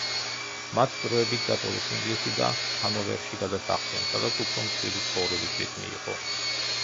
მათ დროებით დატოვეს ინგლისი და ჰანოვერში გადასახლდნენ, სადაც უფრო მშვიდი ცხოვრების რიტმი იყო.